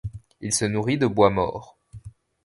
Ils se nourrit de bois mort.